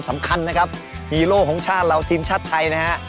สำคัญนะครับฮีโร่ของชาติเราทีมชาติไทยนะฮะ